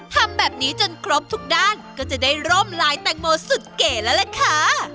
ทำแบบนี้จนครบทุกด้านก็จะได้ร่มลายแตงโมสุดเก๋แล้วล่ะค่ะ